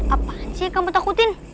apaan sih kamu takutin